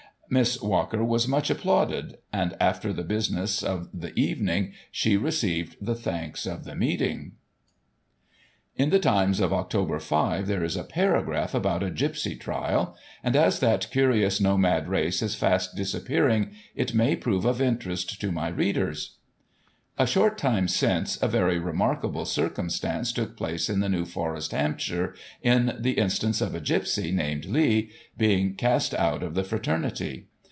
Miss Walker was much applauded ; and, after the business of the evening, she received the thanks of the meeting. In the Times of Oct. 5, there is a paragraph about a gipsey trial, and as that curious nomad race is fast disappearing, it may prove of interest to my readers : "A short time since, a very remarkable circumstance took place in the New Forest, Hampshire, in the instance of a gipsey, named Lee, being cast out of the fraternity.